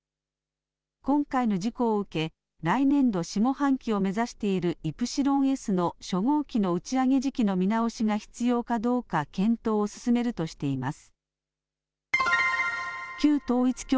今回の事故を受け、来年度下半期を目指しているイプシロンＳの初号機の打ち上げ時期の見直しが必要かどうか検討を進めるとしています。